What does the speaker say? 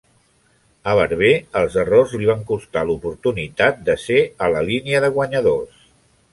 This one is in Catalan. A Barber, els errors li van costar l'oportunitat de ser a la línia de guanyadors.